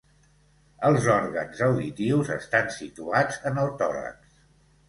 Els òrgans auditius estan situats en el tòrax.